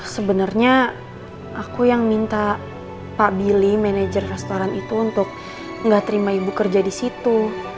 sebenernya aku yang minta pak bili manajer restoran itu untuk gak terima ibu kerja disitu